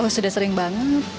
oh sudah sering banget